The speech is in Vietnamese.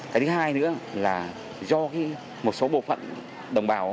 cái thứ hai nữa là do một số bộ phận đồng bào